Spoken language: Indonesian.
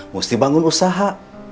mesti bangun usaha